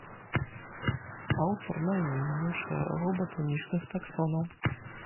Аўтар найменняў шэрагу батанічных таксонаў.